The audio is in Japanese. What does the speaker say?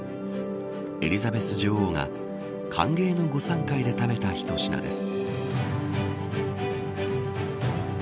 エリザベス女王が歓迎の午餐会で食べた一品です。